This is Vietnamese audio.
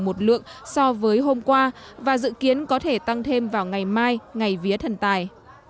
một lượng so với hôm qua và dự kiến có thể tăng thêm vào ngày mai ngày vía thần tài